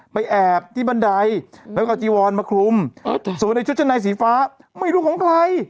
แอบที่บันไดแล้วก็จีวอนมาคลุมส่วนในชุดชั้นในสีฟ้าไม่รู้ของใคร